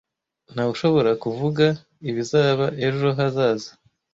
Ntawushobora kuvuga ibizaba ejo hazaza.